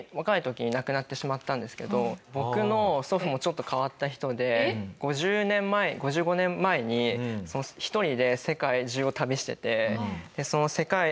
僕の祖父もちょっと変わった人で５０年前５５年前に１人で世界中を旅しててその世界中で。